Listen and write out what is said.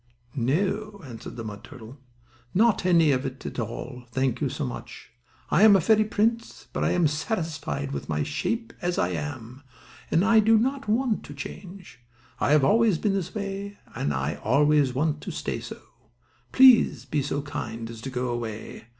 "No," answered the mud turtle, "not any at all, thank you, so much. I am a fairy prince, but I am satisfied with my shape as I am; and I do not want to change. I have always been this way, and I always want to stay so. Please be so kind as to go away.